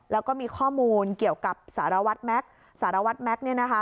แล้วก็มีข้อมูลเกี่ยวกับสารวัฒน์แม็กซ์สารวัฒน์แม็กซ์เนี่ยนะคะ